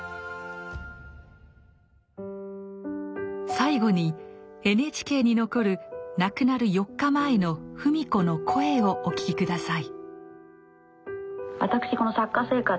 最後にＮＨＫに残る亡くなる４日前の芙美子の声をお聴き下さい。